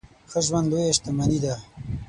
ښه ژوند لويه شتمني ده.